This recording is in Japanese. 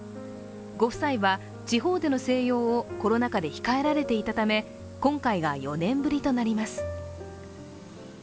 ご夫妻は地方での静養をコロナ禍で控えられていたため今回が４年ぶりとなります。